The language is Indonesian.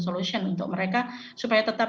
solution untuk mereka supaya tetap